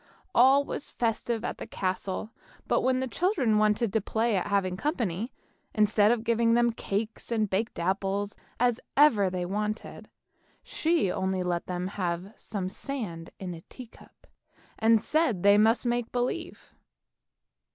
All was festive at the castle, but when the children wanted to play at having company, instead of having as many cakes and baked apples as ever they wanted, she would only let them have some sand in a tea cup, and said they must make believe.